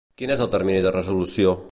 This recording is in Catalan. Quin és el termini de resolució?